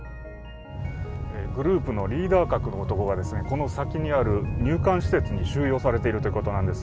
グループのリーダー格の男がこの先にある入管施設に収容されているということなんです。